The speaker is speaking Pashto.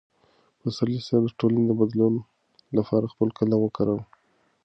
پسرلی صاحب د ټولنې د بدلون لپاره خپل قلم وکاراوه.